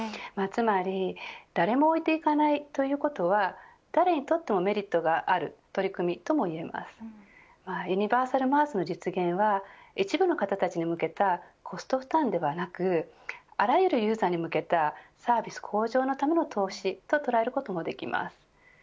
つまり誰も置いていかないということは誰にとってもメリットがある取り組みともいえますユニバーサルＭａａＳの実現は一部の方たちに向けたコスト負担ではなくあらゆるユーザーに向けたサービス向上のための投資と捉えることもできます。